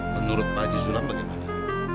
menurut pak haji sulam bagaimana